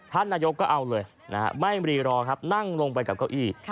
ท่านนายกก็เอาเลยไม่รีรอครับนั่งลงไปกับเก้าอี้